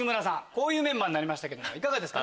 こういうメンバーになりましたけどいかがですか？